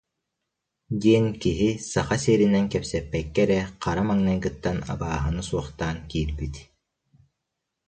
диэн киһи, саха сиэринэн кэпсэппэккэ эрэ, хара маҥнайгыттан абааһыны суохтаан киирбит